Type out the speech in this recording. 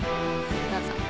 どうぞ。